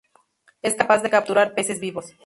Es capaz de capturar peces vivos.